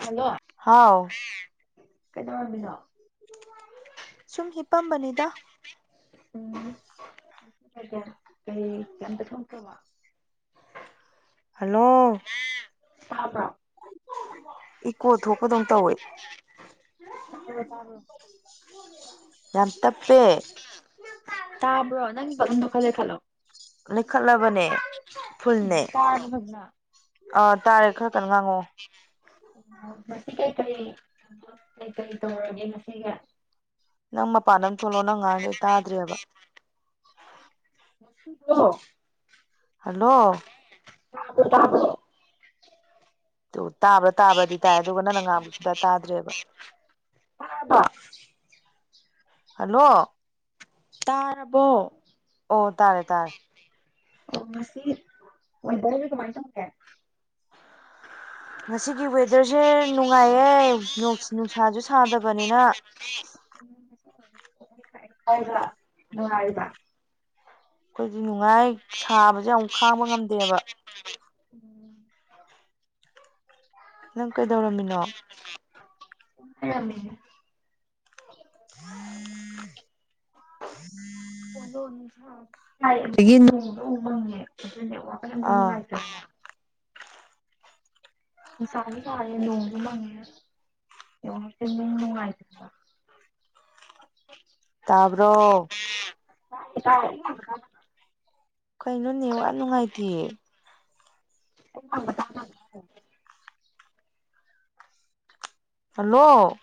hello ꯍꯥꯎ ꯀꯩꯗꯧꯔꯝꯃꯤꯅꯣ ꯁꯨꯝ ꯍꯤꯄꯝꯕꯅꯤꯗ ꯎꯝ ꯀꯩꯗꯧ ꯑꯝ ꯀꯩꯝꯇ ꯊꯣꯛꯇ꯭ꯔꯕꯣ ꯍꯜꯂꯣ ꯇꯥꯕ꯭ꯔꯣ ꯏꯀꯣ ꯊꯣꯛꯄꯗꯧ ꯇꯧꯋꯦ ꯌꯥꯝ ꯇꯞꯄꯦ ꯇꯥꯔꯕ꯭ꯔꯣ ꯅꯪ ꯚꯣꯂꯨꯝꯗꯣ ꯈꯔ ꯂꯩꯈꯠꯂꯣ ꯂꯩꯈꯠꯂꯕꯅꯦ ꯐꯨꯜꯅꯦ ꯑꯥ ꯇꯥꯔꯦ ꯈꯔ ꯀꯟꯅ ꯉꯥꯡꯉꯛꯑꯣ ꯑꯣ ꯉꯁꯤ ꯀꯩꯀꯩ ꯀꯩꯀꯩ ꯇꯧꯔꯒꯦ ꯉꯁꯤꯒꯤ ꯅꯪ ꯃꯄꯥꯟ ꯑꯃꯨꯇ ꯊꯣꯛꯂꯣꯑꯣ ꯅꯪ ꯉꯥꯡꯉꯤꯗꯣ ꯑꯩ ꯇꯥꯗ꯭ꯔꯦꯕ [inaudible] ꯍꯜꯂꯣ [unintelligible] ꯑꯗꯨ ꯇꯥꯕ꯭ꯔꯥ ꯇꯥꯕꯔꯥꯗꯤ ꯇꯥꯏ ꯑꯗꯨꯒ ꯅꯪꯅ ꯉꯥꯡꯕꯗꯤ ꯁꯨꯛꯇꯥ ꯇꯥꯗ꯭ꯔꯦꯕ ꯑꯥꯗ ꯍꯜꯂꯣ ꯇꯥꯔꯕꯣ ꯑꯣ ꯇꯥꯔꯦ ꯇꯥꯔꯦ ꯑꯣ ꯉꯁꯤ ꯋꯦꯗꯔꯁꯦ ꯀꯃꯥꯏ ꯇꯧꯒꯦ ꯉꯁꯤꯒꯤ ꯋꯦꯗꯔꯁꯦ ꯅꯨꯡꯉꯥꯏꯌꯦ ꯅꯨꯡꯁꯥꯁꯨ ꯁꯥꯗꯕꯅꯤꯅ ꯇꯥꯏꯕꯥ ꯅꯨꯉꯥꯏꯔꯤꯕ ꯑꯩꯈꯣꯏꯗꯤ ꯅꯨꯡꯉꯥꯏ ꯁꯥꯕꯁꯦ ꯌꯥꯝ ꯈꯥꯡꯕ ꯉꯝꯗꯦꯕ ꯎꯝ ꯅꯪ ꯀꯩꯗꯧꯔꯝꯃꯤꯅꯣ ꯂꯩꯔꯝꯃꯤꯅꯦ ꯆꯂꯣꯅꯤ ꯁꯥ ꯍꯥꯏ ꯑꯗꯒꯤ ꯅꯣꯡꯁꯨ ꯑꯃꯨꯛ ꯃꯪꯉꯦ ꯑꯗꯨꯏ ꯅꯦꯠꯋꯥꯛ ꯀꯥꯁꯦ ꯑꯝꯇ ꯑꯥ ꯅꯨꯡꯉꯥꯏꯇꯦ ꯏꯁꯥꯥꯡ ꯀꯥꯔꯦ ꯅꯣꯡꯁꯨ ꯃꯉꯦ [unintelligible] [unintelligible] ꯇꯕ꯭ꯔꯣ ꯇꯥꯏ ꯇꯥꯏ [unintelligible] ꯀꯩꯅꯣ ꯅꯦꯋꯥꯠ ꯅꯨꯡꯉꯥꯏꯇꯦ ꯑꯩꯟ ꯍꯪꯕꯗꯥ ꯍꯜꯂꯣ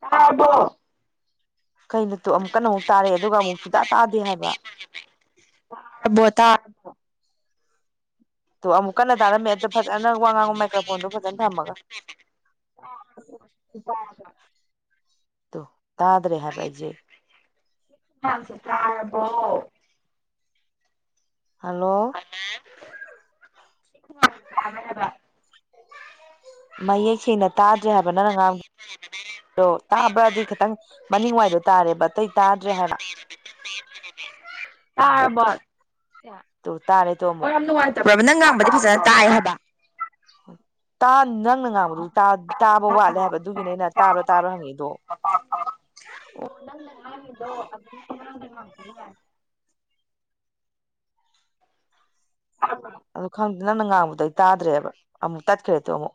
ꯇꯔꯥꯕꯣ ꯀꯩꯅꯠꯇꯣ ꯑꯃꯨꯛ ꯀꯟꯅ ꯑꯃꯨꯛ ꯇꯥꯔꯛꯑꯦ ꯑꯗꯨꯒ ꯑꯃꯨꯛ ꯁꯨꯇꯥ ꯇꯥꯗꯦ ꯍꯥꯏꯕ ꯋꯔ ꯕꯣꯇꯥ ꯇꯣ ꯑꯃꯨꯛ ꯀꯟꯅ ꯇꯔꯝꯃꯦ ꯑ ꯐꯖꯅ ꯋꯥ ꯉꯥꯡꯕ ꯃꯥꯏꯀ꯭ꯔꯣꯐꯣꯟꯗꯣ ꯐꯖꯟ ꯊꯝꯃꯒ [unintelligible] ꯇꯣ ꯇꯥꯗ꯭ꯔꯦ ꯍꯥꯏꯕ ꯑꯩꯖꯦ ꯃꯌꯥꯝꯁꯦ ꯇꯔꯕꯣ ꯍꯜꯂꯣ [unintelligible] ꯃꯌꯦꯛ ꯁꯦꯡꯅ ꯇꯥꯗ꯭ꯔꯦ ꯍꯥꯏꯕ ꯅꯪ ꯅ ꯉꯥꯡꯗꯣ ꯇꯥꯕ꯭ꯔꯗꯤ ꯈꯤꯇꯪ ꯃꯅꯤꯡꯋꯥꯏꯗꯣ ꯇꯥꯔꯦꯕ ꯑꯇꯩ ꯇꯥꯗ꯭ꯔꯦ ꯍꯥꯏꯕ [unintelligible] ꯇꯔ꯭ꯕꯣ ꯁꯦ ꯇꯣ ꯇꯥꯔꯦ ꯇꯣ ꯑꯣ ꯑꯃꯨꯛ ꯌꯥꯝ ꯅꯨꯡꯎꯏ ꯇ꯭ꯕꯔꯕ ꯅꯪ ꯉꯝꯕꯗꯤ ꯐꯖꯅ ꯇꯥꯏ ꯍꯥꯏꯕ ꯇꯥꯟ ꯅꯪꯅ ꯉꯥꯡꯕꯗꯨ ꯇꯥ ꯇꯥꯕ ꯋꯥꯠꯂꯦ ꯍꯥꯏꯕ ꯑꯗꯨꯒꯤꯅꯦ ꯑꯩꯅ ꯇꯥꯕ꯭ꯔꯥ ꯇꯥꯕ꯭ꯔ ꯍꯪꯉꯤꯏꯗꯣ [unintelligible] ꯑꯗꯨ ꯈꯪꯗꯦ ꯅꯪꯅ ꯉꯥꯡꯕꯗꯩ ꯇꯥꯗ꯭ꯔꯦꯕ ꯑꯃꯨꯛ ꯇꯠꯈ꯭ꯔꯦꯗꯣ ꯑꯃꯨꯛ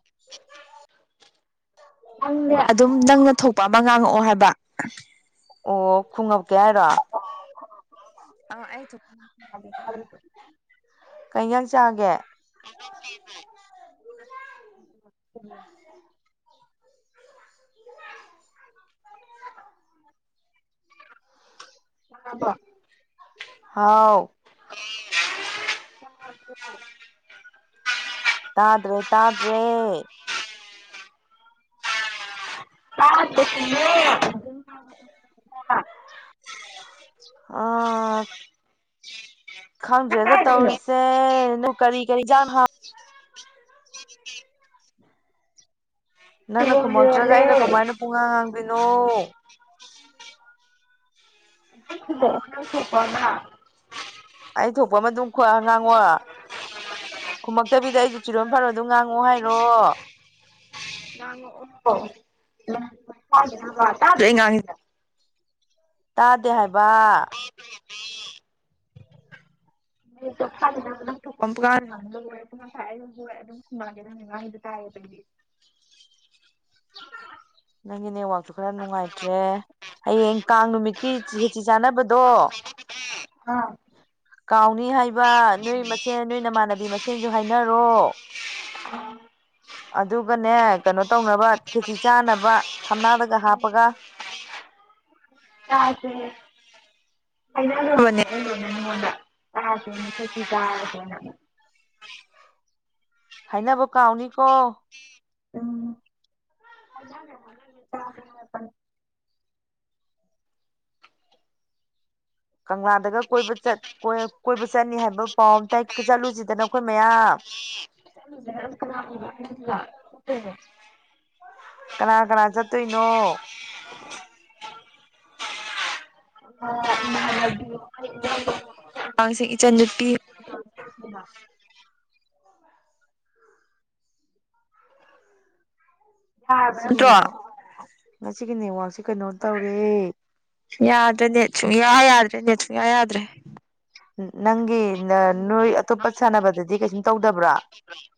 ꯅꯪꯅꯦ ꯑꯗꯨꯝ ꯅꯪꯅ ꯊꯣꯛꯄ ꯑꯃ ꯉꯥꯡꯉꯛꯑꯣ ꯍꯥꯏꯕ ꯑꯣ ꯈꯨꯡꯉꯞꯀꯦ ꯍꯥꯏꯔꯣ [inaudible] ꯑꯪ ꯑꯩ ꯊꯨꯛ [inaudible] ꯀꯩ ꯏꯟꯖꯥꯡ ꯆꯥꯒꯦ [inaudible] ꯍꯥꯕ ꯍꯥꯎ [unintelligible] ꯇꯥꯗ꯭ꯔꯦ ꯇꯥꯗ꯭ꯔꯦ ꯇꯥꯗꯦ [unintelligible] [inaudible] ꯑꯥꯟ ꯈꯪꯗ꯭ꯔꯦꯗ ꯇꯧꯔꯤꯁꯦ ꯅꯨ ꯀꯔꯤ ꯀꯔꯤ ꯆꯟꯍꯥꯎ ꯅꯪꯅ ꯈꯨꯝꯂꯛꯇ꯭ꯔꯒ ꯑꯩꯅ ꯀꯃꯥꯏꯅ ꯄꯨꯡꯉꯥꯡ ꯉꯥꯡꯗꯣꯏꯅꯣ [unintelligible] ꯑꯩ ꯊꯣꯛꯄ ꯑꯃ ꯑꯗꯨꯝ ꯀꯣꯏ ꯉꯥꯡꯉꯣ ꯈꯨꯃꯛꯇꯕꯤꯗ ꯑꯩꯁꯨ ꯆꯤꯔꯣ ꯐꯔꯣ ꯑꯗꯨꯝ ꯉꯥꯡꯉꯣ ꯍꯥꯏꯔꯣ [unintelligible] ꯇꯥꯗ꯭ꯔꯣ ꯑꯩꯅꯥ ꯉꯥꯡꯉꯤꯁꯦ ꯇꯥꯗꯦ ꯍꯥꯏꯕꯥ INAUDIBLE UNINTELLIGIBLE ꯅꯣꯏꯅ ꯉꯥꯡꯉꯤꯗꯣ ꯇꯥꯏꯌꯦ ꯑꯗꯨꯒꯤ ꯅꯪꯒꯤ ꯅꯦꯠꯋꯥꯛꯇꯨ ꯈꯔꯥ ꯅꯨꯡꯉꯥꯏꯇ꯭ꯔꯦ ꯍꯌꯦꯡ ꯀꯥꯡ ꯅꯨꯃꯤꯠꯀꯤ ꯈꯦꯆꯤ ꯆꯥꯅꯕ INAUDIBLE ꯀꯥꯎꯅꯤ ꯍꯥꯏꯕꯥ ꯅꯣꯏ ꯃꯁꯦꯟ ꯅꯣꯏ ꯅꯃꯥꯟꯅꯕꯤ ꯃꯁꯦꯟꯖꯨ ꯍꯥꯏꯅꯔꯣ INAUDIBLE ꯑꯗꯨꯒꯅꯦ ꯀꯩꯅꯣꯇꯧꯅꯕ ꯈꯦꯆꯤ ꯆꯥꯅꯕ ꯊꯝꯅꯥꯗꯒ ꯍꯥꯞꯄꯒ INAUDIBLE INAUDIBLE ꯍꯥꯏꯅꯕ ꯀꯥꯎꯅꯤ ꯀꯣ INAUDIBLE ꯀꯪꯂꯥꯗꯒ ꯀꯣꯏꯕ ꯆꯠ ꯀꯣꯏꯕ ꯆꯠꯅꯤ ꯍꯥꯏꯕ ꯀꯪꯂꯥꯗꯒ ꯀꯣꯏꯕ ꯆꯠ ꯀꯣꯏꯕ ꯆꯠꯅꯤꯩ ꯍꯥꯏꯕꯧꯄꯥꯎ ꯑꯃ ꯇꯥꯏ ꯆꯠꯂꯨꯖꯤꯗꯅ ꯑꯩꯈꯣꯏ ꯆꯠꯂꯨꯁꯤꯗꯅ ꯑꯩꯈꯣꯏ ꯃꯌꯥꯝ UNINTELLIGIBLE ꯀꯅꯥ -ꯀꯅꯥ ꯆꯠꯇꯣꯏꯅꯣ INAUDIBLE INAUDIBLE INAUDIBLE ꯌꯥꯔꯕ ꯉꯁꯤꯒꯤ ꯅꯠꯇ꯭ꯔꯣ ꯅꯦꯠꯋꯥꯛ ꯉꯁꯤꯒꯤ ꯅꯦꯠꯋꯥꯛꯁꯦ ꯀꯩꯅꯣ ꯇꯧꯔꯦ ꯌꯥꯗ꯭ꯔꯦ ꯅꯦꯠ ꯁꯨꯡꯌꯥ ꯌꯥꯗ꯭ꯔꯦ ꯅꯦꯠ ꯁꯨꯡꯌꯥ ꯌꯥꯗ꯭ꯔꯦ ꯅꯪꯒꯤ ꯅꯥ ꯅꯣꯏ ꯑꯇꯣꯞꯄ ꯁꯥꯟꯅꯕꯗꯗꯤ ꯀꯩꯁꯨꯝ ꯇꯧꯗꯕ꯭ꯔꯥ INAUDIBLE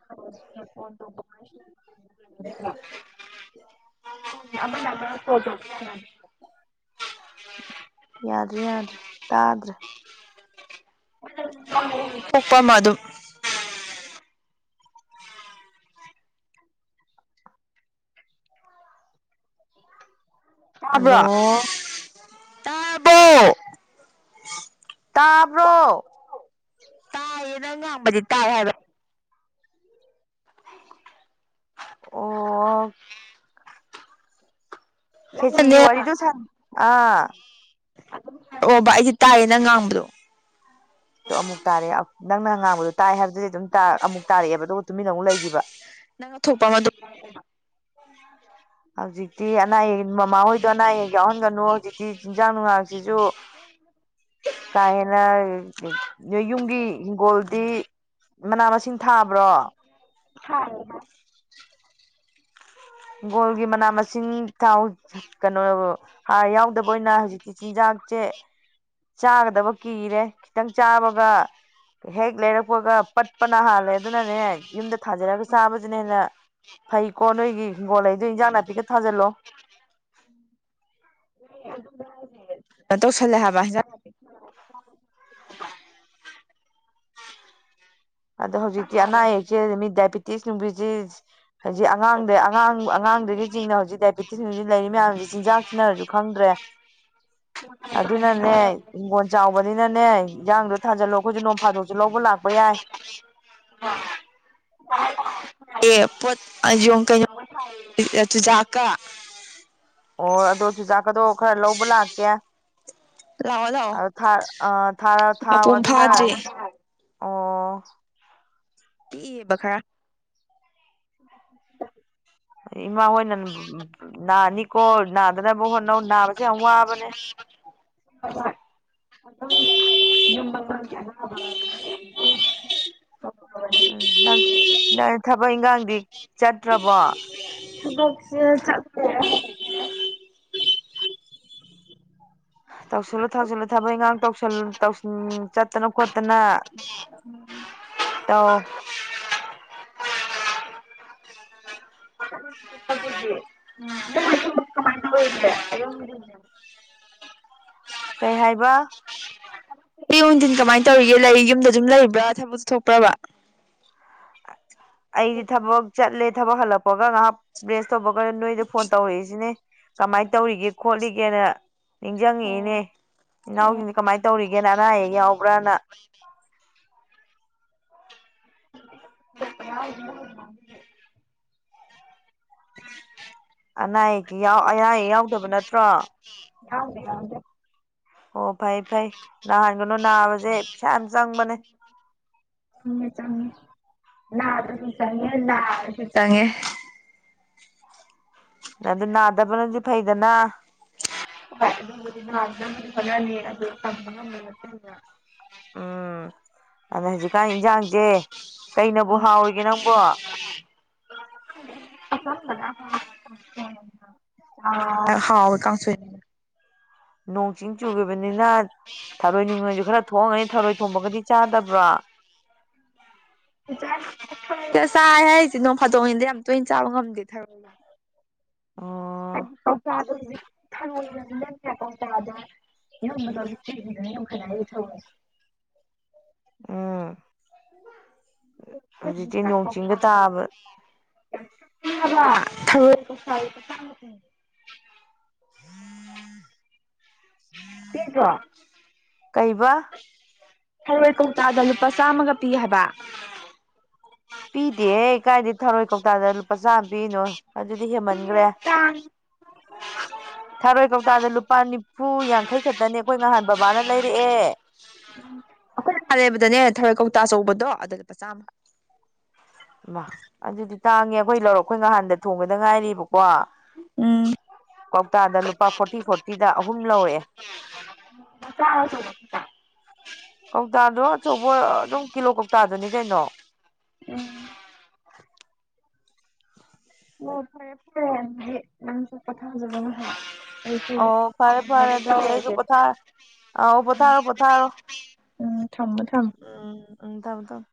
INAUDIBLE INAUDIBLE ꯌꯥꯗ꯭ꯔꯦ ꯌꯥꯗ꯭ꯔꯦ ꯇꯥꯗ꯭ꯔꯦ UNINTELLIGIBLE ꯇꯥꯕ꯭ꯔꯣ ꯍꯜꯂꯣ ꯇꯥꯔꯕꯣ ꯇꯥꯕ꯭ꯔꯣ ꯃꯤꯅ ꯉꯥꯡꯕꯗꯤ ꯇꯥꯏ ꯍꯥꯏꯕ ꯑꯣꯑꯣ ꯅꯪꯅꯅꯦ ꯈꯦꯆꯤꯒꯤ ꯋꯥꯔꯤꯗꯨ ꯁꯥꯟ ꯑꯥ ꯑꯣꯕ ꯑꯩꯗꯤ ꯇꯥꯏꯌꯦ ꯅꯪ ꯉꯥꯡꯕꯗꯣ ꯑꯗꯨ ꯑꯃꯨꯛ ꯇꯥꯔꯦ ꯑꯃꯨꯛꯇꯪ ꯅꯪꯅ ꯉꯥꯡꯕꯗꯣ ꯇꯥꯏ ꯍꯥꯏꯕꯗꯨꯗꯤ ꯑꯗꯨꯝ ꯑꯃꯨꯛ ꯇꯥꯔꯛꯑꯦꯕ ꯑꯗꯨꯒ ꯇꯨꯃꯤꯟꯅ ꯑꯃꯨꯛ ꯂꯩꯒꯤꯕ ꯅꯪꯅ ꯊꯣꯛꯄ ꯃꯥ ꯑꯗꯨꯝ ꯄꯪꯈꯨꯝ-ꯈꯨꯝꯃꯣ INAUDIBLE ꯍꯧꯖꯤꯛꯇꯤ ꯑꯅꯥ- ꯑꯌꯦꯛ ꯃꯃꯥꯍꯣꯏꯗꯣ ꯑꯅꯥ- ꯑꯌꯦꯛ ꯌꯥꯎꯍꯟꯒꯅꯨ ꯍꯧꯖꯤꯛꯇꯤ ꯆꯤꯟꯖꯥꯛ ꯅꯨꯡꯉꯥꯡꯖꯤꯖꯨ ꯀꯥ ꯍꯦꯟꯅ ꯅꯣꯏ ꯌꯨꯝꯒꯤ ꯍꯤꯡꯒꯣꯜꯗꯤ ꯃꯅꯥ- ꯃꯁꯤꯡ ꯊꯥꯕ꯭ꯔꯣ INAUDIBLE ꯍꯤꯡꯒꯣꯜꯒꯤ ꯃꯅꯥ- ꯃꯁꯤꯡ ꯊꯥꯎ ꯀꯩꯅꯣꯑꯣ ꯍꯥꯔ ꯌꯥꯎꯗꯕ ꯑꯣꯏꯅ ꯍꯧꯖꯤꯛꯇꯤ ꯆꯤꯟꯖꯥꯛꯁꯦ ꯆꯥꯒꯗꯕ ꯀꯤꯔꯦ ꯈꯤꯇꯪꯆꯥꯕꯒ ꯍꯦꯛ ꯂꯩꯔꯛꯄꯒ ꯄꯠꯄꯅ ꯍꯥꯜꯂꯦ ꯑꯗꯨꯅꯅꯦ ꯌꯨꯝꯗ ꯊꯥꯖꯔꯒ ꯆꯥꯕꯖꯤꯅ ꯍꯦꯟꯅ ꯐꯩꯀꯣ ꯅꯣꯏꯒꯤ ꯍꯤꯡꯒꯣꯜ ꯂꯩꯗꯣ ꯏꯟꯖꯥꯡ ꯅꯥꯄꯤꯒ ꯊꯥꯖꯜꯂꯣ ꯑꯗꯨꯅꯦ ꯍꯥꯏꯖꯦ ꯇꯧꯁꯜꯂꯦ ꯍꯥꯏꯕ ꯍꯤꯟꯖꯥꯡ ꯑꯗꯣ ꯍꯧꯖꯤꯛꯇꯤ ꯑꯅꯥ ꯑꯌꯦꯛꯁꯦ ꯃꯤ ꯗꯥꯏꯕꯤꯇꯤꯁ ꯅꯨꯡꯕꯤꯇꯤꯁ ꯍꯧꯖꯤꯛ ꯑꯉꯥꯡꯗꯩ ꯑꯉꯥꯡ ꯑꯉꯥꯡꯗꯒꯤ ꯆꯤꯡꯅ ꯍꯧꯖꯤꯛ ꯗꯥꯏꯕꯦꯇꯤꯁ ꯅꯨꯡꯄꯤꯇꯤꯁꯤꯡ ꯂꯩꯔꯤ ꯃꯌꯥꯝꯁꯤ ꯆꯤꯟꯖꯥꯛ ꯁꯤꯅꯔꯁꯨ ꯈꯪꯗ꯭ꯔꯦ [unintelligible] ꯑꯗꯨꯅꯅꯦ ꯍꯤꯡꯒꯣꯜ ꯆꯥꯎꯕꯅꯤꯅꯅꯦ ꯏꯟꯖꯥꯡꯗꯣ ꯊꯥꯖꯜꯂꯣ ꯑꯩꯈꯣꯏꯁꯨ ꯅꯣꯡ ꯐꯥꯗꯣꯛꯁꯨ ꯂꯧꯕ ꯂꯥꯛꯄ ꯌꯥꯏ ꯎꯝ [unintelligible] ꯑꯦ ꯄꯣꯠ ꯌꯣ ꯀꯩꯅꯣꯒꯥ ꯊꯥꯏꯌꯦ ꯆꯨꯖꯥꯛꯀ ꯑꯣ ꯑꯗꯣ ꯆꯨꯖꯥꯛꯀꯗꯣ ꯈꯔ ꯂꯧꯕ ꯂꯥꯛꯀꯦ ꯂꯥꯛꯑꯣ ꯂꯥꯛꯑꯣ ꯑ ꯑꯥ ꯊꯥꯔ ꯊꯥꯎ ꯃꯄꯨꯡ ꯑꯗꯨꯅ ꯐꯥꯗ꯭ꯔꯤ ꯑꯣ ꯄꯤꯛꯏꯕ ꯈꯔ [inaudible] ꯏꯃꯥꯍꯣꯏꯅ ꯅꯥꯅꯤꯀꯣ ꯅꯥꯗꯅꯕ ꯍꯣꯠꯅꯧ ꯅꯥꯕꯁꯦ ꯌꯥꯝ ꯋꯥꯕꯅꯦ [unintelligible] [unintelligible] ꯎꯝ ꯅꯪ ꯅꯪ ꯊꯕꯛ ꯏꯪꯒꯥꯡꯗꯤ ꯆꯠꯇ꯭ꯔꯕꯣ ꯊꯕꯛꯁꯦ ꯆꯠꯇꯦ ꯇꯧꯁꯤꯜꯂꯨ ꯇꯧꯁꯤꯜꯂꯨ ꯊꯕꯛ ꯏꯟꯈꯥꯡ ꯇꯧꯁꯜ ꯇꯧꯁꯜ ꯆꯠꯇꯅ ꯈꯣꯠꯇꯅꯥ ꯇꯧ [unintelligible] [unintelligible] ꯀꯃꯥꯏ ꯇꯧꯏ [unintelligible] ꯑꯌꯨꯛ ꯅꯨꯡꯊꯤꯜ ꯅꯨꯃꯤꯗꯥꯡ ꯀꯩ ꯍꯥꯏꯕ ꯑꯌꯨꯛ ꯅꯨꯡꯊꯤꯟ ꯀꯃꯥꯏꯅ ꯇꯧꯔꯤꯒꯦ ꯂꯩ ꯌꯨꯝꯗ ꯑꯗꯨꯝ ꯂꯩꯕ꯭ꯔꯥ ꯊꯕꯛ ꯆꯠꯊꯣꯛꯄ꯭ꯔꯕ ꯑꯩꯗꯤ ꯊꯕꯛ ꯆꯠꯂꯦ ꯊꯕꯛ ꯍꯜꯂꯛꯄꯒ ꯉꯥꯏꯍꯥꯛ ꯔꯦꯁ ꯇꯧꯕꯒ ꯅꯣꯏꯗ ꯐꯣꯟ ꯇꯧꯔꯛꯏꯁꯤꯅꯦ ꯀꯃꯥꯏ ꯇꯧꯔꯤꯒꯦ ꯈꯣꯠꯂꯤꯒꯦꯅ ꯅꯤꯡꯖꯪꯉꯛꯏꯅꯦ ꯑꯣ ꯑꯣ ꯏꯅꯥꯎꯁꯤꯡꯁꯦ ꯀꯃꯥꯏ ꯇꯧꯔꯤꯒꯦꯅ ꯑꯅꯥ ꯑꯌꯦꯛ ꯌꯥꯎꯕ꯭ꯔꯥꯅ [unintelligible] [inaudible] ꯑꯅꯥ ꯑꯌꯦꯛꯇꯤ ꯌꯥꯎ ꯑꯅꯥ ꯑꯌꯦꯛ ꯌꯥꯎꯗꯕ ꯅꯠꯇ꯭ꯔꯣ ꯌꯥꯎꯗꯦ ꯌꯥꯎꯗꯦ ꯑꯣ ꯐꯩ ꯐꯩ ꯅꯥꯍꯟꯒꯅꯨ ꯅꯥꯕꯁꯦ ꯄꯩꯁꯥ ꯌꯥꯝ ꯆꯪꯕꯅꯦ ꯆꯪꯉꯦ ꯆꯪꯉꯦ ꯅꯥꯗ꯭ꯔꯁꯨ ꯆꯪꯉꯦ ꯅꯥꯔꯁꯨ ꯆꯪꯉꯦ ꯑꯗꯣ ꯅꯥꯗꯅꯕꯗꯤ ꯐꯩꯗꯅꯥ ꯍꯣꯏ ꯑꯗꯨꯕꯨꯗꯤ ꯅꯗꯅꯕꯗꯤ ꯍꯣꯠꯅꯅꯤ ꯑꯗꯨ ꯇꯝꯕ ꯉꯝꯕ ꯅꯠꯇꯦꯗꯅ ꯎꯝ ꯑꯗ ꯍꯧꯖꯤꯛꯀꯥꯟꯒꯤ ꯏꯟꯖꯥꯡꯁꯦ ꯀꯩꯅꯕꯨ ꯍꯥꯎꯔꯤꯒꯦ ꯅꯪꯕꯣ [unintelligible] [inaudible] ꯑꯥ ꯍꯥꯎꯏ ꯀꯥꯡꯁꯣꯏꯅ ꯅꯣꯡ ꯆꯤꯡ ꯆꯨꯈꯤꯕꯅꯤꯅ ꯊꯔꯣꯏ ꯅꯨꯡꯂꯣꯏꯁꯨ ꯈꯔ ꯊꯣꯡꯑꯝꯒꯅꯤ ꯊꯔꯣꯏ ꯊꯣꯡꯕꯒꯗꯤ ꯆꯥꯗꯕ꯭ꯔꯣ ꯁꯤꯗ ꯆꯥꯏ ꯍꯥꯏꯔꯤꯁꯦ ꯅꯣꯡ ꯐꯥꯗꯣꯛꯅꯤꯗ ꯌꯥꯝ ꯇꯣꯏꯅ ꯆꯥꯕ ꯉꯝꯗꯦ ꯊꯔꯣꯏ ꯑꯣ [unintelligible] ꯊꯔꯣꯏꯒꯖꯤꯅꯅꯦ ꯀꯧꯇꯥꯗ ꯌꯣꯟꯕꯗꯣ ꯀꯦꯖꯤꯗꯅꯦ ꯌꯣꯟꯈꯠꯂꯦ ꯍꯥꯏꯔꯤꯁꯦ ꯊꯔꯣꯏꯁꯦ ꯎꯝ ꯍꯧꯖꯤꯛꯇꯤ ꯅꯣꯡ ꯆꯤꯡꯒ ꯇꯕ ꯈꯪꯉꯕ ꯊꯔꯣꯢ ꯀꯧꯇꯥꯗ ꯂꯨꯄꯥ ꯆꯥꯝꯃꯥ ꯐꯪꯉꯤ [unintelligible] ꯇꯦꯛꯇ꯭ꯔꯣ ꯀꯩꯕ ꯊꯔꯣꯢ ꯀꯧꯇꯥꯗ ꯂꯨꯄꯥ ꯆꯥꯝꯃꯥꯒ ꯄꯤ ꯍꯥꯢꯕ ꯄꯤꯗꯦꯍꯦ ꯀꯥꯢꯗꯩ ꯊꯔꯣꯢ ꯀꯧꯇꯥꯗ ꯂꯨꯄꯥ ꯆꯥꯝꯃ ꯄꯤꯅꯣ ꯑꯗꯨꯗꯤ ꯍꯦꯃꯟꯒ꯭ꯔꯦ ꯊꯥꯔꯣꯢ ꯀꯧꯇꯥꯗ ꯂꯨꯄꯥ ꯅꯤꯐꯨ ꯌꯥꯡꯈꯩ ꯈꯛꯇꯅꯦ ꯑꯩꯈꯣꯢ ꯉꯍꯥꯟ ꯕꯕꯥꯅ ꯂꯩꯔꯛꯑꯦ ꯑꯩꯈꯣꯢꯅ ꯉꯥꯍꯥꯜ ꯂꯩꯕꯗꯅꯦ ꯊꯔꯣꯢ ꯀꯧꯇꯥ ꯑꯆꯧꯕꯗꯣ ꯑꯗ ꯂꯨꯄꯥ ꯆꯥꯝꯃ ꯏꯃꯥ ꯑꯗꯨꯗꯤ ꯇꯥꯡꯉꯦ ꯑꯈꯣꯢ ꯂꯧꯔꯛ ꯑꯈꯣꯢ ꯉꯍꯥꯟꯗ ꯊꯣꯡꯕꯗ ꯉꯥꯢꯔꯤꯕꯀꯣ ꯎꯝ ꯀꯧꯇꯥꯗ ꯂꯨꯄꯥ ꯐꯣꯔꯇꯤ ꯐꯣꯔꯇꯤꯗ ꯑꯍꯨꯝ ꯂꯧꯔꯛꯑꯦ ꯃꯆꯥꯔꯥ ꯑꯆꯧꯕ ꯀꯧꯇꯥꯗꯣ ꯑꯆꯧꯕ ꯑꯗꯨꯝ ꯀꯤꯂꯣ ꯀꯧꯇꯥꯗꯨꯅꯤ ꯀꯩꯅꯣ ꯑꯦ ꯑꯣ ꯐꯔꯦ ꯐꯔꯦ ꯑꯗꯨꯗꯤ ꯅꯪ ꯖꯨ ꯄꯣꯊꯥꯖꯔꯣ ꯉꯍꯥꯛ ꯑꯩꯁꯨ ꯑꯣ ꯐꯔꯦ ꯐꯔꯦ ꯊꯝꯅꯕ ꯑꯗꯨꯗꯤ ꯑꯩꯁꯨ ꯇꯧꯔꯒꯦ ꯄꯣꯊꯥꯔ ꯑꯥꯎ ꯄꯣꯊꯥꯔꯣ ꯄꯣꯊꯥꯔꯣ ꯎꯝ ꯊꯝꯃꯣ ꯊꯝꯃꯣ ꯎꯝ ꯎꯝ ꯊꯝ ꯊꯝ